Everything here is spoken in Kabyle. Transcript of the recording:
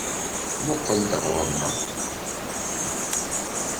Muqqel-d ɣuṛ-nneɣ!